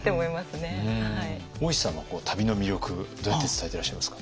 大石さんは旅の魅力どうやって伝えてらっしゃいますか？